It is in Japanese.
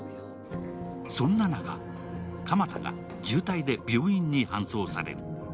そんな中、鎌田が重体で病院に搬送される。